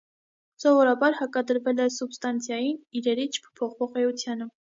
Սովորաբար հակադրվել է սուբստանցիային՝ իրերի չփոփոխվող էությանը։